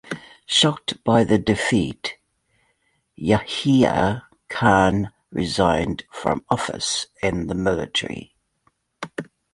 Shocked by the defeat, Yahya Khan resigned from office and the military.